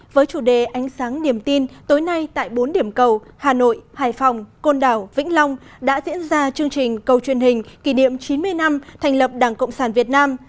với chủ đề ánh sáng niềm tin tối nay tại bốn điểm cầu hà nội hải phòng côn đảo vĩnh long đã diễn ra chương trình cầu truyền hình kỷ niệm chín mươi năm thành lập đảng cộng sản việt nam